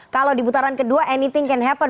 kalau di putaran kedua anything can happen